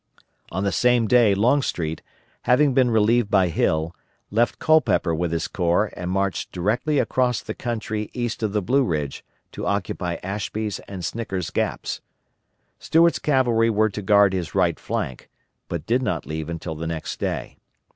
On the same day Longstreet, having been relieved by Hill, left Culpeper with his corps and marched directly across the country east of the Blue Ridge to occupy Ashby's and Snicker's Gaps. Stuart's cavalry were to guard his right flank, but did not leave until the next day.